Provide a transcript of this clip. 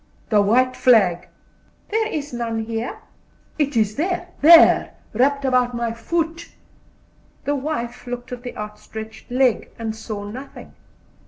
"The white flag." "There is none here." "It is there there, wrapped about my foot." The wife looked at the outstretched leg, and saw nothing.